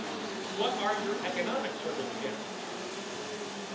"What are your economic circumstances?"